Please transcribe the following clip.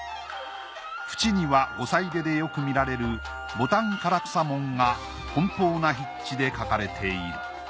縁には五彩手でよく見られる牡丹唐草文が奔放な筆致で描かれている。